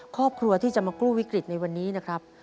ครอบครัวที่จะมากู้วิกฤตในวันนี้นะครับ